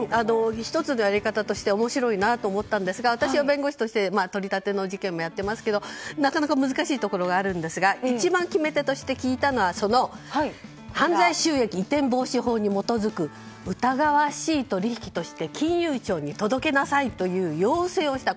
１つのやり方として面白いなと思ったんですが私は弁護士として取り立ての事件もやってますけどなかなか難しいところがあるんですが、一番決め手として効いたのは犯罪収益移転防止法に基づく疑わしい取引として金融庁に届けなさいという要請をした。